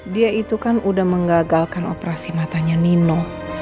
dia itu kan udah menggagalkan operasi matanya nino